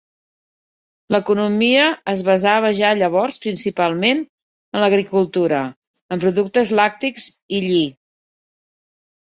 L'economia es basava ja llavors principalment en l'agricultura, en productes làctics i lli.